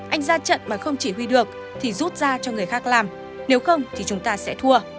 anh ra trận mà không chỉ huy được thì rút ra cho người khác làm nếu không thì chúng ta sẽ thua